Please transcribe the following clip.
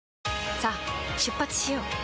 さあ出発しよう。